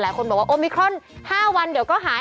หลายคนบอกว่าโอมิครอน๕วันเดี๋ยวก็หาย